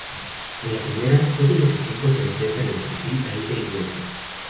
En la primera, todos los equipos se enfrentan entre sí a ida y vuelta.